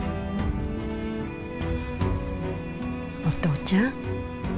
お父ちゃん。